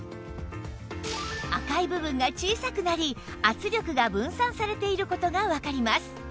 赤い部分が小さくなり圧力が分散されている事がわかります